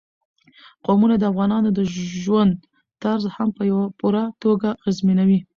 قومونه د افغانانو د ژوند طرز هم په پوره توګه اغېزمنوي.